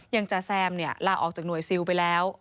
จาแซมลาออกจากหน่วยซิลไปแล้ว